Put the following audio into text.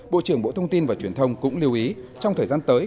bộ trưởng bộ thông tin và truyền thông cũng lưu ý trong thời gian tới